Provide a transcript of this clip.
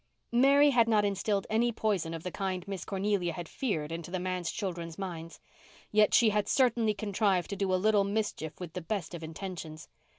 Mary had not instilled any poison of the kind Miss Cornelia had feared into the manse children's minds. Yet she had certainly contrived to do a little mischief with the best of intentions.